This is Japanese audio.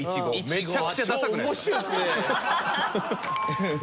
めちゃくちゃださくないですか？